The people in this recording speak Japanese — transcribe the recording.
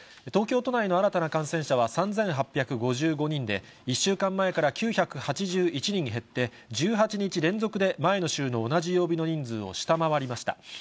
東京都内の新たな感染者は３８５５人で、１週間前から９８１人減って、１８日連続で前の週の同じ曜日の人数を下回りました。